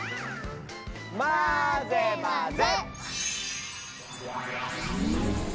まぜまぜ！